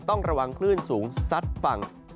ต้องระวังคลื่นสูงซัดฝั่ง